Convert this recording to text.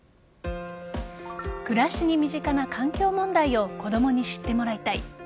暮らしに身近な環境問題を子供に知ってもらいたい。